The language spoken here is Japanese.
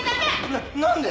なっ何で！？